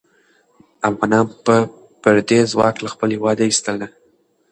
افغانان به پردی ځواک له خپل هېواد ایستله.